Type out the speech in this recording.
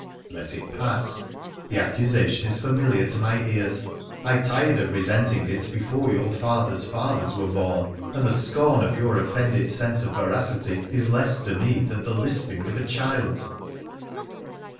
Let it pass ! The accusation is familiar to my ears. I tired of resenting it before your fathers' fathers were born, and the scorn of your offended sense of veracity is less to me than the lisping of a child.